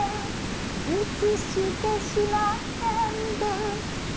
「うつしてしまったんです」